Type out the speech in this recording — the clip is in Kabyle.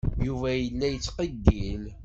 Yuba yella yettqeyyil.